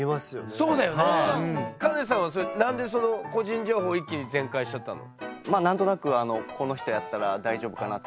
カネさんはなんで個人情報を一気に全開しちゃったの？